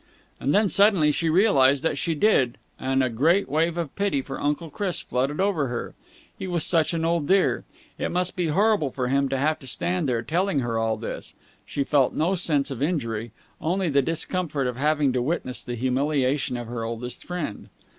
And then suddenly she realized that she did, and a great wave of pity for Uncle Chris flooded over her. He was such an old dear. It must be horrible for him to have to stand there, telling her all this. She felt no sense of injury, only the discomfort of having to witness the humiliation of her oldest friend.